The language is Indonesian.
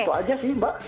itu saja sih mbak